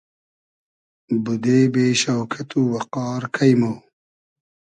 بودې بې شۆکئت و وئقار کݷ مۉ